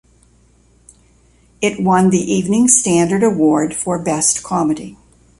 It won the Evening Standard Award for Best Comedy.